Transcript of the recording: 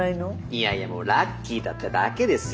いやいやもうラッキーだっただけですよ。